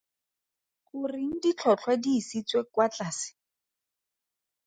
Goreng ditlhotlhwa di isitswe kwa tlase.